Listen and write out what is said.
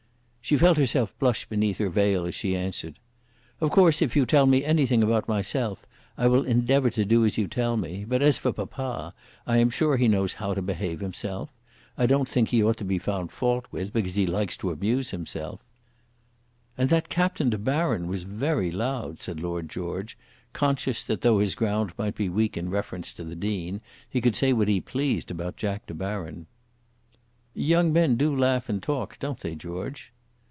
She felt herself blush beneath her veil as she answered. "Of course if you tell me anything about myself, I will endeavour to do as you tell me; but, as for papa, I am sure he knows how to behave himself. I don't think he ought to be found fault with because he likes to amuse himself." "And that Captain De Baron was very loud," said Lord George, conscious that though his ground might be weak in reference to the Dean, he could say what he pleased about Jack De Baron. "Young men do laugh and talk, don't they, George?"